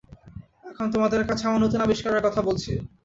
এখন তোমাদের কাছে আমার নূতন আবিষ্কারের কথা বলছি।